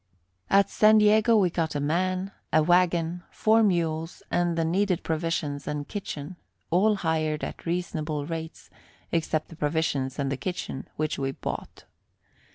At San Diego we got a man, a wagon, four mules and the needed provisions and kitchen all hired at reasonable rates, except the provisions and kitchen, which we bought.